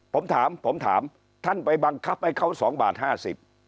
ผมถามผมถามท่านไปบังคับให้เขาสองบาทห้าสิบ